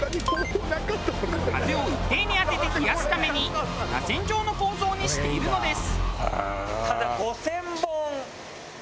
風を一定に当てて冷やすために螺旋状の構造にしているのです。